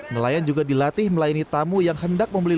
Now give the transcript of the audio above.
nelayan juga dilatih melayani tamu yang hendak membeli